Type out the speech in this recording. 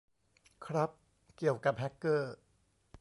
ครับ เกี่ยวกับ แฮกเกอร์